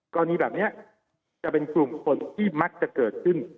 กรณีแบบนี้จะเป็นกลุ่มคนที่มักจะเกิดขึ้น